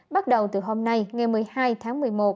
bắt đầu từ hôm nay ngày một mươi hai tháng một mươi một